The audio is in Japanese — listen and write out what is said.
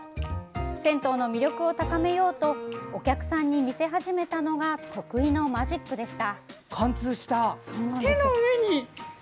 銭湯の魅力を高めようとお客さんに見せ始めたのが得意のマジックでした。